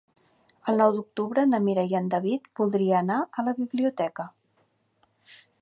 El nou d'octubre na Mira i en David voldria anar a la biblioteca.